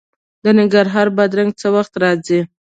د ننګرهار بادرنګ څه وخت راځي؟